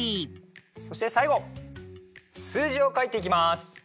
そしてさいごすうじをかいていきます。